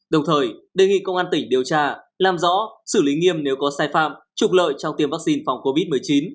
đồng thời đề nghị công an tỉnh điều tra làm rõ xử lý nghiêm nếu có sai phạm trục lợi trong tiêm vaccine phòng covid một mươi chín